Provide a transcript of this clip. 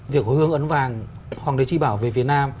việc hương ấn vàng hoàng đế tri bảo về việt nam